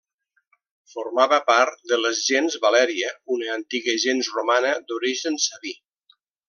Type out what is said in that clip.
Formava part de la gens Valèria, una antiga gens romana d'origen sabí.